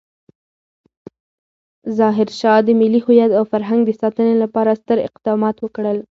ظاهرشاه د ملي هویت او فرهنګ د ساتنې لپاره ستر اقدامات وکړل.